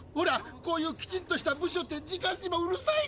こういうきちんとした部署って時間にもうるさいから！